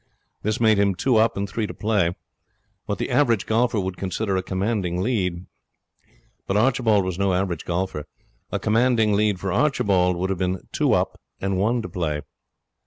This made him two up and three to play. What the average golfer would consider a commanding lead. But Archibald was no average golfer. A commanding lead for him would have been two up and one to play.